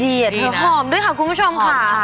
หอมด้วยค่ะคุณผู้ชมค่ะ